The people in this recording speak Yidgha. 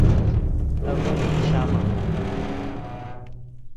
ابیلئی شامم